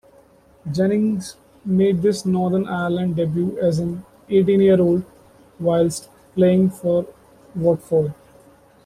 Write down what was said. Jennings made his Northern Ireland debut as an eighteen-year-old, whilst playing for Watford.